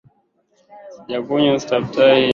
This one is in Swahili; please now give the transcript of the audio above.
Sijakunywa staftahi kwa mwaka mmoja sasa